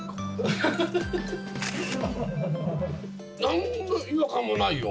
何の違和感もないよ。